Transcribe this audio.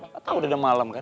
tak tahu udah malam kan